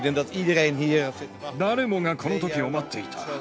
誰もがこのときを待っていた。